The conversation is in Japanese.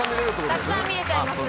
たくさん見れちゃいますんで。